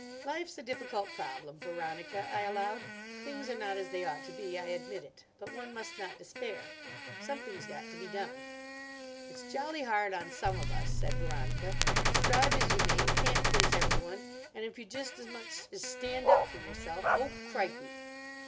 "Life's a difficult problem, Veronica," I allowed. "Things are not as they ought to be, I admit it. But one must not despair. Something's got to be done." "It's jolly hard on some of us," said Veronica. "Strive as you may, you can't please everyone. And if you just as much as stand up for yourself, oh, crikey!"